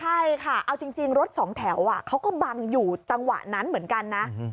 ใช่ค่ะเอาจริงรถสองแถวเขาก็บังอยู่จังหวะนั้นเหมือนกันนะ